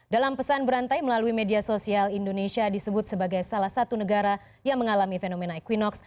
dalam pesan berantai melalui media sosial indonesia disebut sebagai salah satu negara yang mengalami fenomena equinox